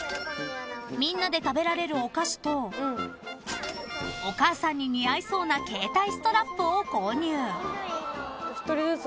みんなで食べられるお菓子とお母さんに似合いそうな携帯ストラップを購入］